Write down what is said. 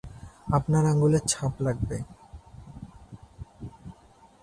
আপনার আঙ্গুলের ছাপ লাগবে।